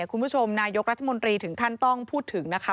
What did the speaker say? คุณผู้ชมนายกรัฐมนตรีถึงขั้นต้องพูดถึงนะคะ